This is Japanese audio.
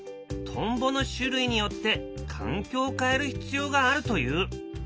トンボの種類によって環境を変える必要があるという。